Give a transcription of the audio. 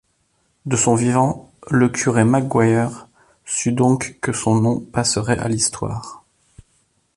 De son vivant, le curé Maguire sut donc que son nom passerait à l’histoire.